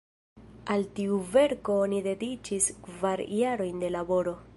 Al tiu verko oni dediĉis kvar jarojn de laboro.